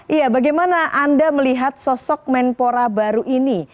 iya bagaimana anda melihat sosok menpora baru ini